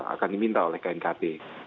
akan diminta oleh knkt